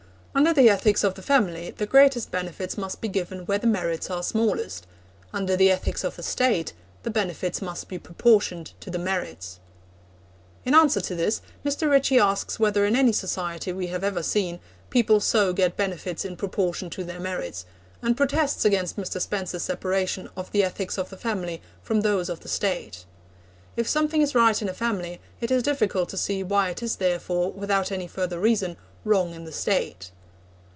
'Under the ethics of the family the greatest benefits must be given where the merits are smallest; under the ethics of the State the benefits must be proportioned to the merits.' In answer to this, Mr. Ritchie asks whether in any society we have ever seen people so get benefits in proportion to their merits, and protests against Mr. Spencer's separation of the ethics of the family from those of the State. If something is right in a family, it is difficult to see why it is therefore, without any further reason, wrong in the State.